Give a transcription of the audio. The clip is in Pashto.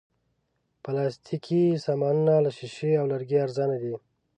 پلاستيکي سامانونه له شیشې او لرګي ارزانه دي.